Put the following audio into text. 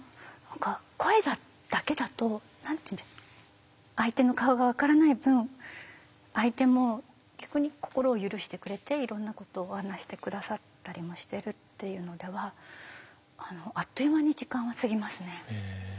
声だけだと何て言う相手の顔が分からない分相手も逆に心を許してくれていろんなことを話して下さったりもしてるっていうのではあっという間に時間は過ぎますね。